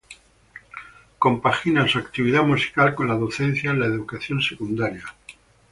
Compagina su actividad musical con la docencia en la educación secundaria.